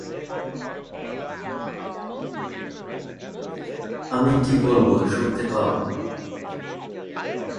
He edited the collection from his hospital bed.